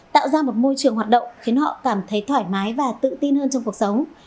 tạo ra một môi trường hoạt động khiến họ cảm thấy thoải mái và tự tin hơn trong cuộc sống